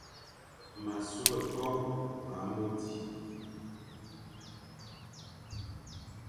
Ma sughé kobe ve amô di,